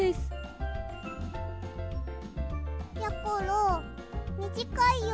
やころみじかいよ。